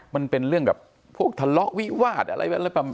มันเป็นเรื่องแบบพวกทะเลาะวิวาสอะไรประมาณ